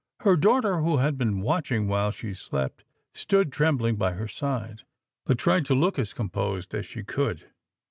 Her daughter, who had been watching while she slept, stood trembling by her side, but tried to look as composed as she could.